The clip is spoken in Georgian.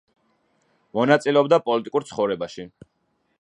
მონაწილეობდა პოლიტიკურ ცხოვრებაში.